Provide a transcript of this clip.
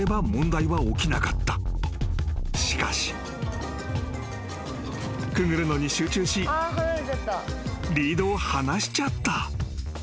［しかし］［くぐるのに集中しリードを離しちゃった］